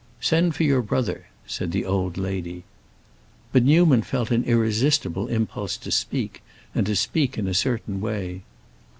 "Send for your brother," said the old lady. But Newman felt an irresistible impulse to speak, and to speak in a certain way.